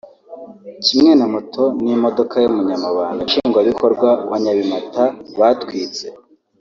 kimwe na moto n’imodoka y’umunyamabanga nshingwabikorwa wa Nyabimata batwitse